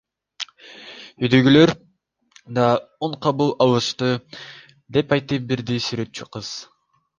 Үйдөгүлөр да оң кабыл алышты, — деп айтып берди сүрөтчү кыз.